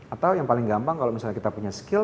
atau yang paling gampang kalau misalnya kita punya skill